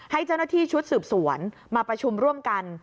ให้เจ้าหน้าที่ชุดสืบสวนมาประชุมร่วมกัน